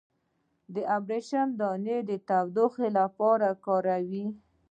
د وربشو دانه د تودوخې لپاره وکاروئ